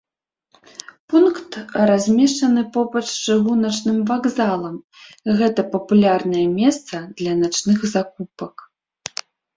Пункт размешчаны побач з чыгуначным вакзалам, гэта папулярнае месца для начных закупак.